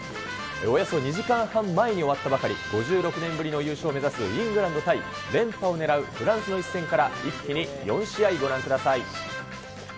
およそ２時間半前に終わったばかり、５６年ぶりの優勝を目指すイングランド対連覇を狙うフランスの一戦から、一気に４試合ご覧ください。